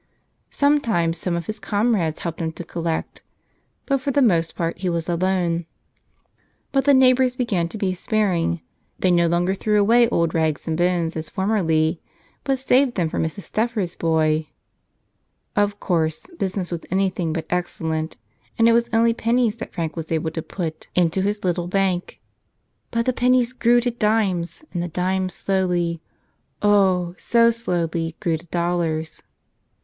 Sometimes some of his comrades helped him to collect, but for the most part he was alone. But the neighbors began to be sparing : they no longer threw away old rags and bones as formerly, but saved them for Mrs. Steffer's boy. Of course, business was anything but excellent, and it was only pennies that Frank was able to put into 55 "Tell Us A nother ! his little bank ; but the pennies grew to dimes and the dimes slowly — oh, so slowly! — grew to dollars.